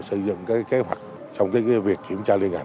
sử dụng kế hoạch trong việc kiểm tra liên hành